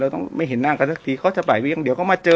เราก็ไม่เห็นน่างอ่ะสักทีเขาจะบ่ายเบี้ยงเดี๋ยวก็มาเจอ